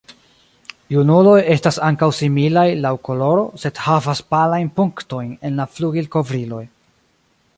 Junuloj estas ankaŭ similaj laŭ koloro, sed havas palajn punktojn en la flugilkovriloj.